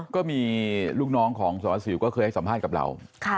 ก็มีลูกน้องของสารวัสสิวก็เคยให้สัมภาษณ์กับเรา